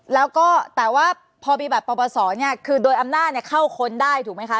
แล้วก็แต่ว่าพอมีบัตรปปศเนี่ยคือโดยอำนาจเข้าค้นได้ถูกไหมคะ